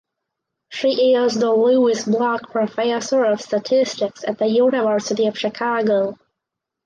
She is the Louis Block Professor of statistics at the University of Chicago.